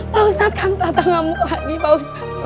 paustad kamu tetangga mau lagi paustad